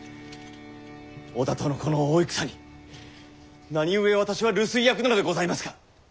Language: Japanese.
織田とのこの大戦に何故私は留守居役なのでございますか！